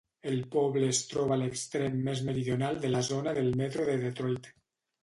El poble es troba a l'extrem més meridional de la zona del metro de Detroit.